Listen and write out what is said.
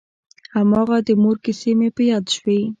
هماغه د مور کيسې مې په ياد شوې.